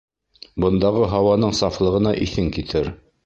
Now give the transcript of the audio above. Бындағы һауаның сафлығына иҫең китер.